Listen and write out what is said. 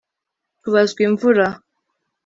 tubazwa imvura